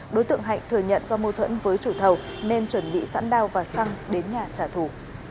đối tượng hạnh thừa nhận do mâu thuẫn với chủ thầu nên chuẩn bị sẵn đao và xăng đến nhà trả thủ